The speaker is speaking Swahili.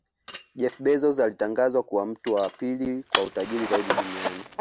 Jeff Bezos alitangazwa kuwa mtu wa pili kwa utajiri zaidi duniani